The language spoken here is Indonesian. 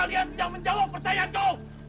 kalian tidak menjawab pertanyaanku